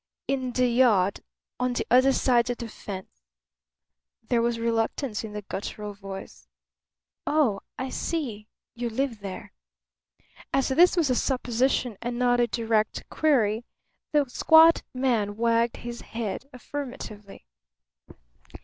"In the yard on the other side of the fence." There was reluctance in the guttural voice. "Oh, I see. You live there." As this was a supposition and not a direct query, the squat man wagged his head affirmatively.